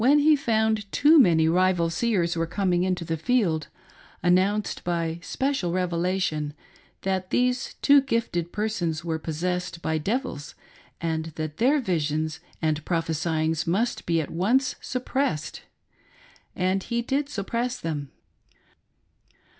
57 he found too many rival seers were coming into the field, announced by " special revelation," that these too gifted per sons were possessed by devils, and that their visions and prophecyings must be at once suppressed. And he did sup press them.